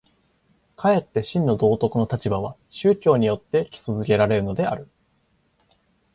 かえって真の道徳の立場は宗教によって基礎附けられるのである。